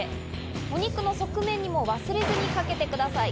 お肉の側面にも忘れずにかけてください。